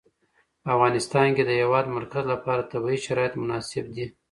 په افغانستان کې د د هېواد مرکز لپاره طبیعي شرایط مناسب دي.